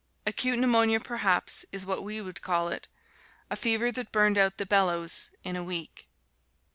Acute pneumonia, perhaps, is what we would call it a fever that burned out the bellows in a week.